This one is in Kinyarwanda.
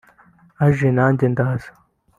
aje nanjye ndaza